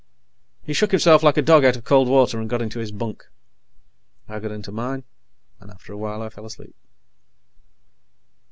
He shook himself like a dog out of cold water, and got into his bunk. I got into mine, and after a while I fell asleep.